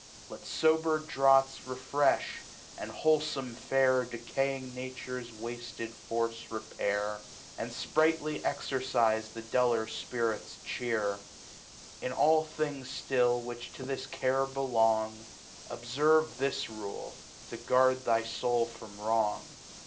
Let fober Draughts refrefli, and wlrolfom Fare Decaying Nature's wafled Force repair; And fprightly Exercife the duller Spirits chear. 1^ all Things flill which to this Care belong, Dbferve this Rule, to guard thy Soul from Wrong.